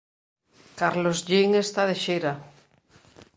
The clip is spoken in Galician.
Carlos Jean está de xira